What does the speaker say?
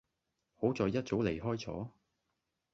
好在一早離開左